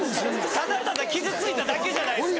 ・ただただ傷ついただけじゃないですか・